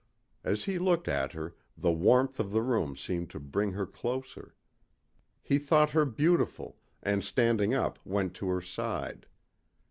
As he looked at her the warmth of the room seemed to bring her closer. He thought her beautiful and standing up went to her side.